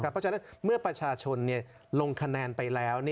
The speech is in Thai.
เพราะฉะนั้นเมื่อประชาชนลงคะแนนไปแล้ว